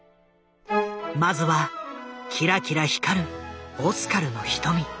まずはキラキラ光るオスカルの瞳。